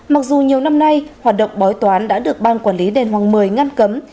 mặc dù nhiều năm nay hoạt động bói toán đã được ban quản lý đền hoàng mười ngăn cấm